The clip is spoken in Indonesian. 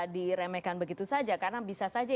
diremehkan begitu saja karena bisa saja